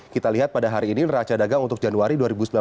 kita lihat pada hari ini raca dagang untuk januari dua ribu sembilan belas